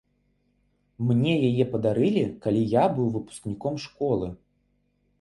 Мне яе падарылі, калі я быў выпускніком школы.